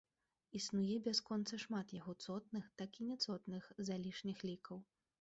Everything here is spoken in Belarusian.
Існуе бясконца шмат як цотных, так і няцотных залішніх лікаў.